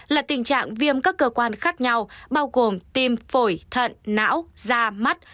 là tình trạng viêm các cơ quan khác nhau bao gồm tim phổi thận não da mắt